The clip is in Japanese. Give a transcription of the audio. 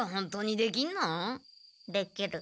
できる。